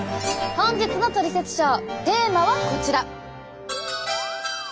本日の「トリセツショー」テーマはこちら！